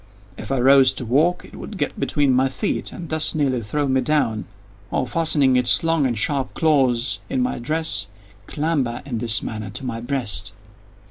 If I arose to walk it would get between my feet and thus nearly throw me down, or, fastening its long and sharp claws in my dress, clamber, in this manner, to my breast.